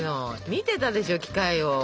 見てたでしょ機械を。